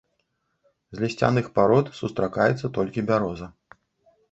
З лісцяных парод сустракаецца толькі бяроза.